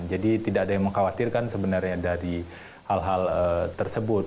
jadi tidak ada yang mengkhawatirkan sebenarnya dari hal hal tersebut